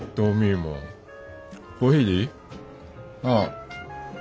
ああ。